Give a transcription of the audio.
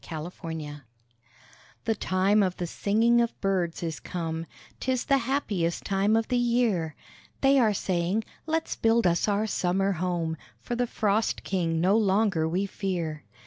BUILDING TIME The time of the singing of birds is come; 'Tis the happiest time of the year: They are saying, "Let's build us our summer home, For the frost king no longer we fear."